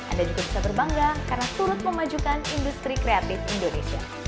anda juga bisa berbangga karena turut memajukan industri kreatif indonesia